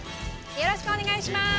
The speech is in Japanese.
よろしくお願いします。